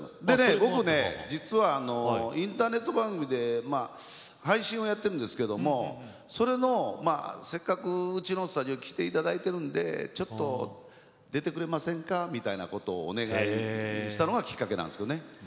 僕は実はインターネット番組で配信をやっているんですけどせっかくうちのスタジオに来ていただいているのでちょっと出てくれませんかみたいなことをお願いしたのがきっかけなんですよね。